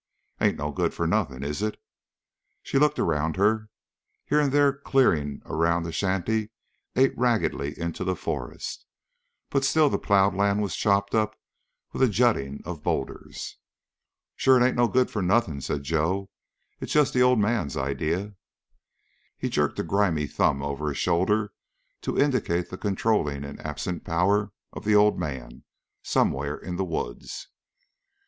Ain't no good for nothing, is it?" She looked around her. Here and there the clearing around the shanty ate raggedly into the forest, but still the plowed land was chopped up with a jutting of boulders. "Sure it ain't no good for nothing," said Joe. "It's just the old man's idea." He jerked a grimy thumb over his shoulder to indicate the controlling and absent power of the old man, somewhere in the woods.